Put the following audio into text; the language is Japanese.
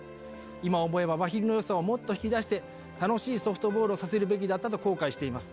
今思えばまひるのよさをもっと引き出して、楽しいソフトボールをさせるべきだったと後悔しています。